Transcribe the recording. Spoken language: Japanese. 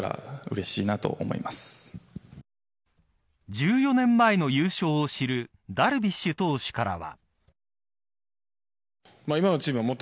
１４年前の優勝を知るダルビッシュ投手からは。